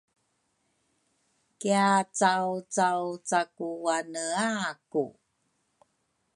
kiacawcawcakuanea ku